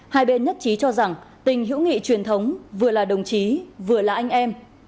hai bên nhất trí cho rằng tình hữu nghị truyền thống vừa là đồng chí vừa là anh em